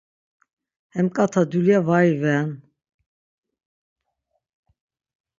Hemǩata dulya var iven!